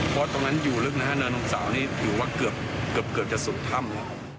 เพราะตรงนั้นอยู่ลึกนะฮะเนินนมสาวนี่ถือว่าเกือบจะสุดถ้ำ